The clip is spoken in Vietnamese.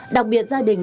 đặc biệt gia đình